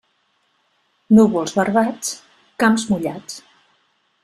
Núvols barbats, camps mullats.